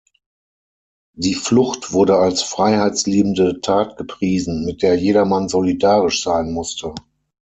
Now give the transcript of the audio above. Die Flucht wurde als freiheitsliebende Tat gepriesen, mit der jedermann solidarisch sein musste.